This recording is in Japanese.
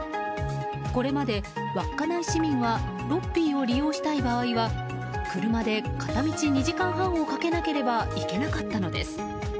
これまで稚内市民はＬｏｐｐｉを利用したい場合は車で片道２時間半をかけなければ行けなかったのです。